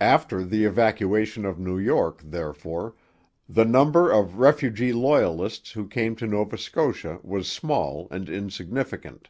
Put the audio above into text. After the evacuation of New York, therefore, the number of refugee Loyalists who came to Nova Scotia was small and insignificant.